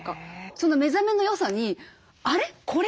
その目覚めのよさにあれ？